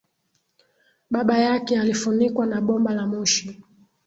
baba yake alifunikwa na bomba la moshi